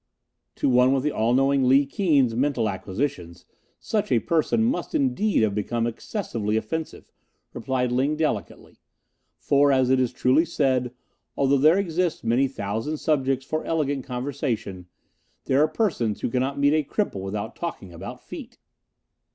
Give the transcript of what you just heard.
"To one with the all knowing Li Keen's mental acquisitions, such a person must indeed have become excessively offensive," replied Ling delicately; "for, as it is truly said, 'Although there exist many thousand subjects for elegant conversation, there are persons who cannot meet a cripple without talking about feet.